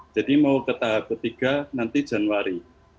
jadi mau ke tahap ketiga nanti januari